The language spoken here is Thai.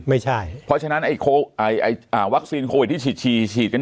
ไม่ใช่เพราะฉะนั้นไอ้ไอ้ไอ้อ่าวัคซีนโควิดที่ฉีดฉีดฉีดกัน